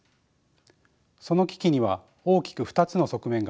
その危機には大きく２つの側面があります。